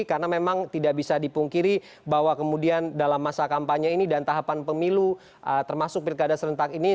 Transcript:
karena memang tidak bisa dipungkiri bahwa kemudian dalam masa kampanye ini dan tahapan pemilu termasuk pertikada serentak ini